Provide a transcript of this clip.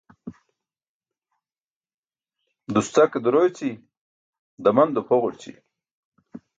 Duscake duro eći daman duphogurći